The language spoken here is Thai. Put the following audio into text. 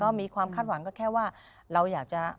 ก็มีความคาดหวังก็แค่ว่าเราอยากจะ